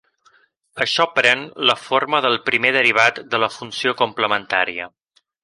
Això pren la forma del primer derivat de la funció complementària.